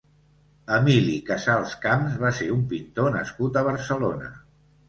Emili Casals Camps va ser un pintor nascut a Barcelona.